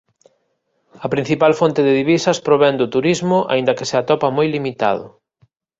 A principal fonte de divisas provén do turismo aínda que se atopa moi limitado.